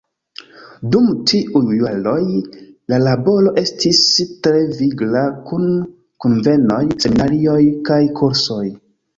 Dum tiuj jaroj la laboro estis tre vigla kun kunvenoj, seminarioj kaj kursoj.